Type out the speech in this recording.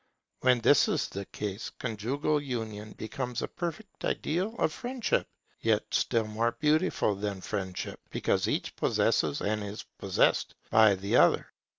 When this is the case, conjugal union becomes a perfect ideal of friendship; yet still more beautiful than friendship, because each possesses and is possessed by the other.